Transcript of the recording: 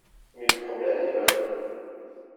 mais le problème est majeur